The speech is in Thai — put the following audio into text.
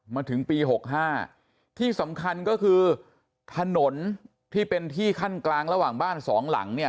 มาถึงปี๖๕ที่สำคัญก็คือถนนที่เป็นที่ขั้นกลางระหว่างบ้านสองหลังเนี่ย